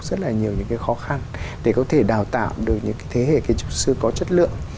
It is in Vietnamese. rất là nhiều những cái khó khăn để có thể đào tạo được những cái thế hệ kiến trúc sư có chất lượng